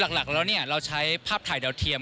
หลักแล้วเราใช้ภาพถ่ายดาวเทียม